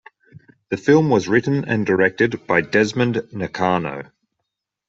The film was written and directed by Desmond Nakano.